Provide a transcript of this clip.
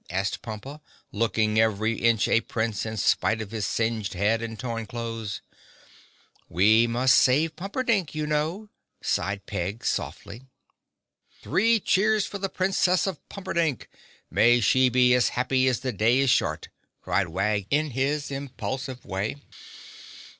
asked Pompa, looking every inch a Prince in spite of his singed head and torn clothes. "We must save Pumperdink, you know," sighed Peg softly. "Three cheers for the Princess of Pumperdink! May she be as happy as the day is short!" cried Wag in his impulsive way.